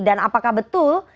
dan apakah betul